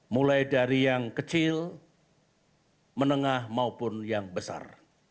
mulai dari yang kecil menengah maupun yang besar